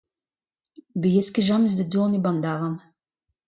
Ne baeez ket james da dourne e-barzh an davarn.